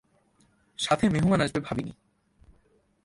সাথে মেহমান আসবে ভাবিনি।